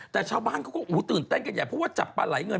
แต่ชาวบ้านคงรู้ตื่นเต้นกันจับปลาลายเงิน